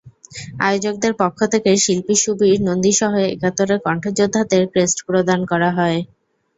আয়োজকদের পক্ষ থেকে শিল্পী সুবীর নন্দীসহ একাত্তরের কণ্ঠযোদ্ধাদের ক্রেস্ট প্রদান করা হয়।